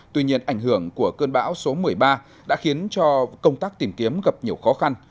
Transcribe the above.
tuy nhiên ảnh hưởng của cơn bão số một mươi ba đã khiến cho công tác tìm kiếm gặp nhiều khó khăn